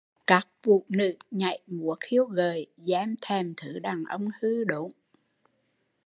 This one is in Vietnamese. Các vũ nữ nhảy múa khêu gợi, dem thèm thứ đàn ông hư đốn